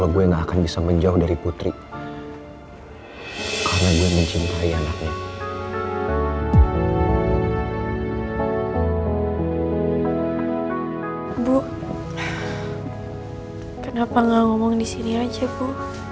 bu kenapa gak ngomong disini aja bu